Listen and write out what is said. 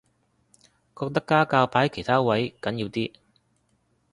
覺得家教擺喺其他位緊要啲